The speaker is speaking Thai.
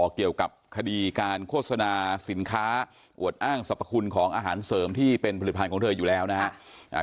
เกี่ยวกับคดีการโฆษณาสินค้าอวดอ้างสรรพคุณของอาหารเสริมที่เป็นผลิตภัณฑ์ของเธออยู่แล้วนะครับ